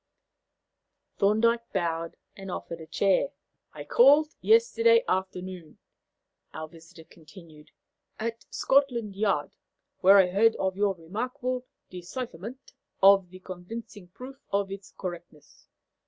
Thorndyke bowed and offered a chair. "I called yesterday afternoon," our visitor continued, "at Scotland Yard, where I heard of your remarkable decipherment and of the convincing proof of its correctness.